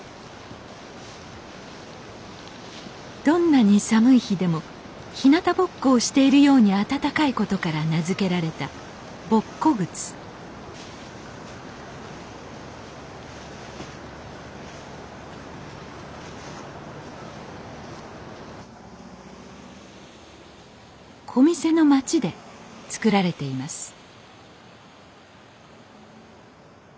どんなに寒い日でもひなたぼっこをしているように温かいことから名付けられたボッコ靴こみせの町で作られています